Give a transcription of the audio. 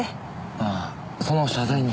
ああその謝罪に？